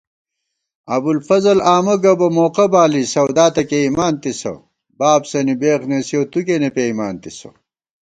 ابُوالفضل آمہ گہ بہ موقہ بالی سَودا تہ کېئیمانتِسہ تِسہ * بابسَنی بېخ نېسِیَؤ تُو کېنےپېئیمانتِسہ